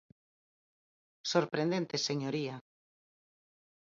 Sorprendente, señoría.